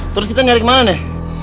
terus kita nyari kemana nih